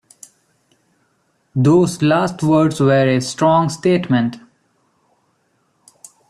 Those last words were a strong statement.